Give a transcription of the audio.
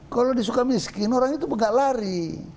kalau disuka miskin orang itu pun nggak lari